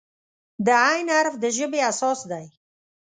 د "ع" حرف د ژبې اساس دی.